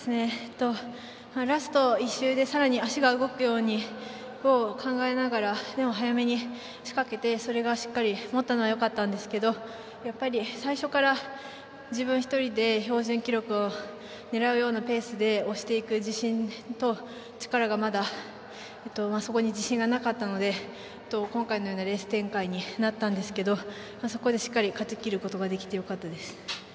ラスト１周でさらに足が動くようにと考えながらでも、早めに仕掛けてそれが持ったのはよかったんですがやっぱり最初から自分１人で標準記録を狙うようなペースで押していく自信と力がまだそこに自信がなかったので今回のようなレース展開になったんですけどもそこでしっかり勝ちきることができてよかったです。